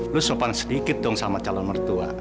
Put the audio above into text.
lu sopan sedikit dong sama calon mertua